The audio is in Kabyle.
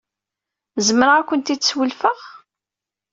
Zemreɣ ad kent-id-swelfeɣ?